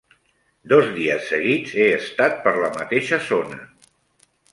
Dos dies seguits he estat per la mateixa zona.